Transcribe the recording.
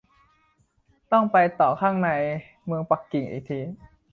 ต้องไปต่อข้างในเมืองปักกิ่งอีกที